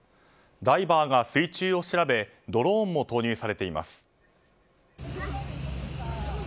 ダイバーが水中を調べドローンも投入されています。